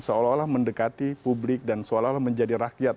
seolah olah mendekati publik dan seolah olah menjadi rakyat